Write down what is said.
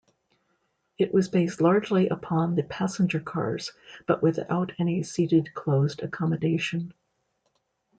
It was based largely upon the passenger cars but without any seated closed accommodation.